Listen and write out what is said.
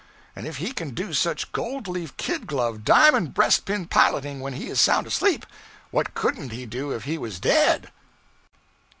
And if he can do such gold leaf, kid glove, diamond breastpin piloting when he is sound asleep, what couldn't he do if he was dead!'